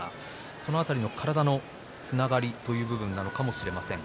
その辺りも体のつながりという部分なのかもしれません。